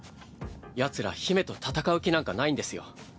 ヤツら姫と戦う気なんかないんですよ。